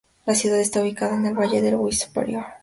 La ciudad está ubicada en el valle del Wiese superior.